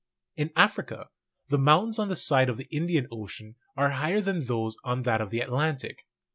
In Africa, the mountains on the side of the Indian Ocean; are higher than those on that of the Atlantic.